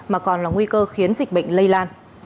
mà còn là nguy cơ khiến dịch bệnh lây lan